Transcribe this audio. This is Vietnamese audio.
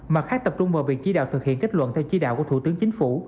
mặt khác tập trung vào việc chỉ đạo thực hiện kết luận theo chỉ đạo của thủ tướng chính phủ